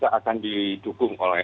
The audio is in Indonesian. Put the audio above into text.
dan kami akan melakukan otopsi